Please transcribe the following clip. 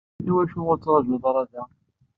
Iwacu ur tettrajuḍ ara da?